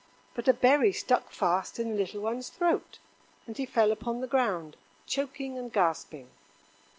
But a berry stuck fast in the little one's throat, and he fell upon the ground, choking and gasping.